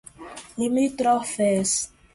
limítrofes